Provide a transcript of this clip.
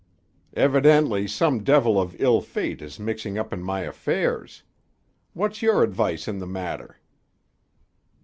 "Evidently some devil of ill fate is mixing up in my affairs. What's your advice in the matter?"